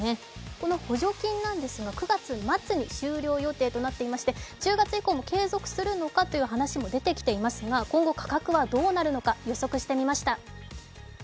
この補助金なんですが９月末に終了予定となっておりまして１０月以降も継続するのかという話も出てきてますが今後、ガソリン価格はどうなるのか予測してみました。